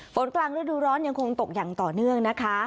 กลางฤดูร้อนยังคงตกอย่างต่อเนื่องนะคะ